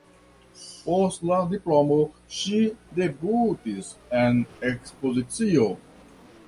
Post la diplomo ŝi debutis en ekspozicio.